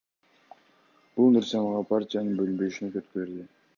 Бул нерсе мага партиянын бөлүнбөшүнө түрткү берди.